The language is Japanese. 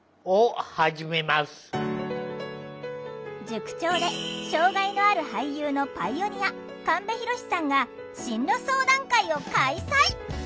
塾長で障害のある俳優のパイオニア神戸浩さんが進路相談会を開催。